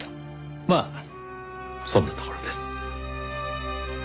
まあそんなところです。